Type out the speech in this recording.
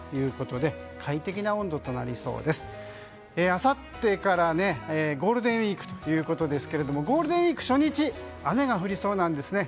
あさってからゴールデンウィークということですけどもゴールデンウィーク初日雨が降りそうなんですね。